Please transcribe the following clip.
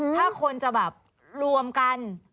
ถ้าคนจะแบบรวมกัน